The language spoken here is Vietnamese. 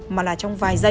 mà là trong vài giây